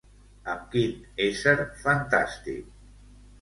Amb quin ésser fantàstic?